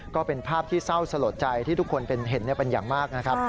ก็เป็นภาพที่เศร้าสลดใจที่ทุกคนเห็นเป็นอย่างมากนะครับ